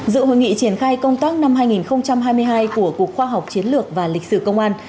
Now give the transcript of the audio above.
dự hội nghị triển khai công tác năm hai nghìn hai mươi hai của cục khoa học chiến lược và lịch sử công an